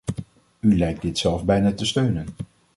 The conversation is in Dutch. U lijkt dit zelf bijna te steunen.